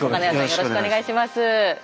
よろしくお願いします。